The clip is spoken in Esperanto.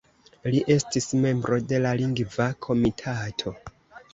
Li estis membro de la Lingva Komitato.